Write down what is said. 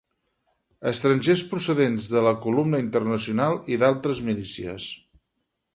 Estrangers procedents de la Columna Internacional i d'altres milícies